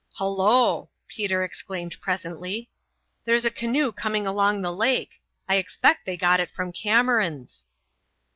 "Hullo!" Peter exclaimed presently. "There's a canoe coming along the lake. I expect they got it from Cameron's."